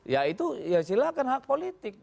ya itu ya silakan hak politik